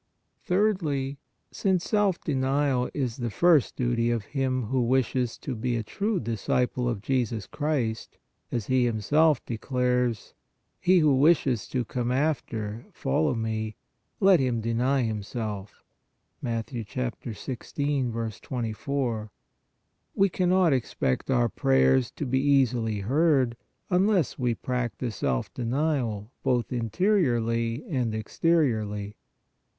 Thirdly, since self denial is the first duty of 68 PRAYER him who wishes to be a true disciple of Jesus Christ, as He Himself declares :" He who wishes to come after (follow) Me, let him deny himself" (Mat. 1 6. 24), we cannot expect our prayers to be easily heard, unless we practise self denial both interiorly and exteriorly.